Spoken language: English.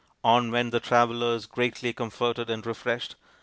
On went the travellers, greatly comforted and refreshed.